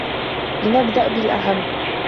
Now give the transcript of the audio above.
لنبدأ بالأهم.